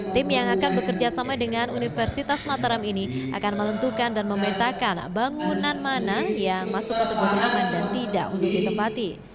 tim yang akan bekerja sama dengan universitas mataram ini akan menentukan dan memetakan bangunan mana yang masuk kategori aman dan tidak untuk ditempati